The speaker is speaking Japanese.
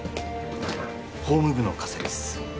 法務部の加瀬です